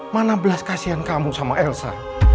mana belas kasihan kamu sama elsa